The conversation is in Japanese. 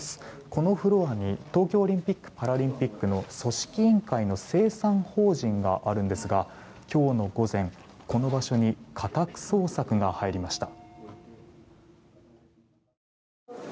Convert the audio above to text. このフロアに東京オリンピック・パラリンピックの組織委員会の清算法人があるんですが今日の午前、この場所に家宅捜索が入りました。